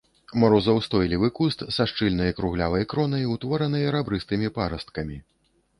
Марозаўстойлівы куст са шчыльнай круглявай кронай, утворанай рабрыстымі парасткамі.